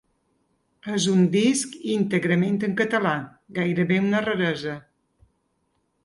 És un disc íntegrament en català, gairebé una raresa.